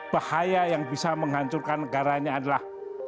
bahaya yang bisa menghancurkan negaranya adalah